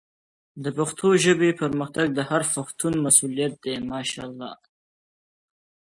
د پښتو ژبې پرمختګ د هر پښتون مسؤلیت دی.